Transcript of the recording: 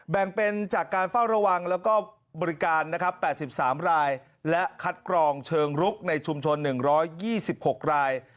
แบ่งเป็นจากการเฝ้าระวังแล้วก็บริการนะครับ๘๓รายและคัดกรองเชิงรุกในชุมชน๑๒๖ราย